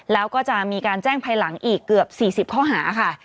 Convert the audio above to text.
แล้วก็จะมีการแจ้งภายหลังอีกเกือบ๔๐ข้อหาค่ะ